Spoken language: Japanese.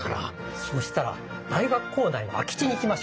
そうしたら大学構内の空き地に行きましょう。